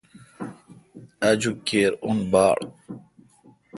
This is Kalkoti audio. آجوک کِر اوں باڑ۔